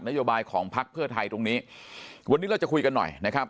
โยบายของพักเพื่อไทยตรงนี้วันนี้เราจะคุยกันหน่อยนะครับ